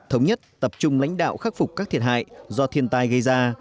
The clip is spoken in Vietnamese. thống nhất tập trung lãnh đạo khắc phục các thiệt hại do thiên tai gây ra